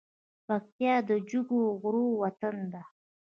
پکتیا د جګو غرو وطن ده .